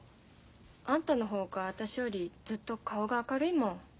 あんたの方が私よりずっと顔が明るいもん。